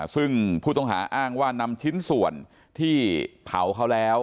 ซึ่งผู้ต้องหาอ้างว่านำชิ้นส่วนที่เผาเขาแล้ว